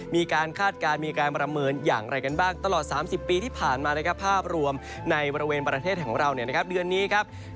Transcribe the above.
คาดการณ์มีการประเมินอย่างไรกันบ้างตลอด๓๐ปีที่ผ่านมานะครับภาพรวมในบริเวณประเทศของเราเดือนนี้ครับ